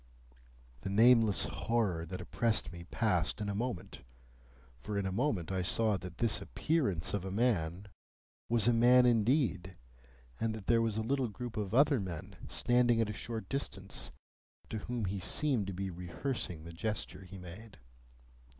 The nameless horror that oppressed me passed in a moment, for in a moment I saw that this appearance of a man was a man indeed, and that there was a little group of other men, standing at a short distance, to whom he seemed to be rehearsing the gesture he made.